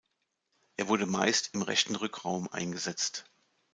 Er wurde meist im rechten Rückraum eingesetzt.